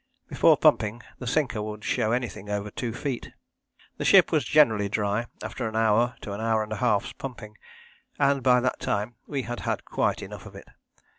Before pumping, the sinker would show anything over two feet. The ship was generally dry after an hour to an hour and a half's pumping, and by that time we had had quite enough of it.